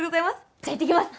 じゃあいってきます！